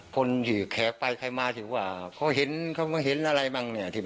คนที่แขกไปใครมาถือว่าเค้าเห็นอะไรบ้างเนี่ย